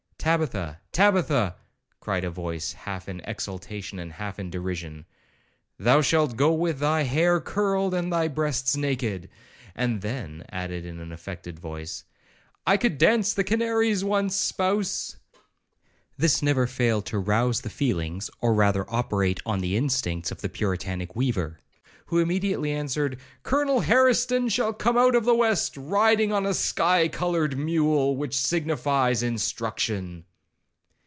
—'Tabitha, Tabitha,' cried a voice half in exultation and half in derision; thou shalt go with thy hair curled, and thy breasts naked;'—and then added in an affected voice,—'I could dance the Canaries once, spouse.' This never failed to rouse the feelings, or rather operate on the instincts of the puritanic weaver, who immediately answered, 'Colonel Harrison shall come out of the west, riding on a sky coloured mule, which signifies instruction.'